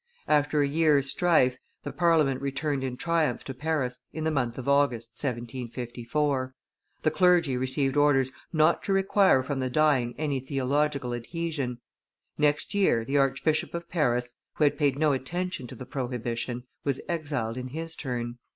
After a year's strife, the Parliament returned in triumph to Paris in the month of August, 1754; the clergy received orders not to require from the dying any theological adhesion. Next year, the Archbishop of Paris, who had paid no attention to the prohibition, was exiled in his turn.